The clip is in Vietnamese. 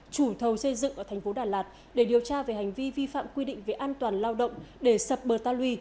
chủ thầu xây dựng ở thành phố đà lạt để điều tra về hành vi vi phạm quy định về an toàn lao động để sập bờ ta lui